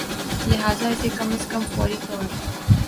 لہذا اسے کم از کم فوری طور